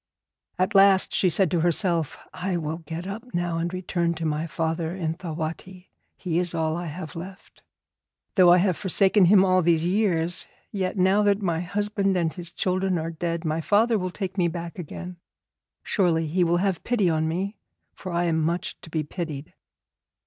At last she said to herself, 'I will get up now and return to my father in Thawatti; he is all I have left. Though I have forsaken him all these years, yet now that my husband and his children are dead, my father will take me back again. Surely he will have pity on me, for I am much to be pitied.'